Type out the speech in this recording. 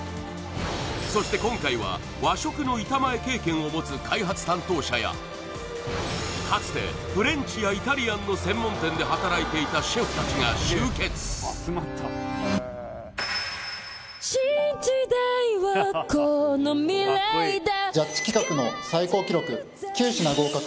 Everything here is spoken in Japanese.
そして今回は和食の板前経験を持つ開発担当者やかつてフレンチやイタリアンの専門店で働いていたシェフたちが集結９品合格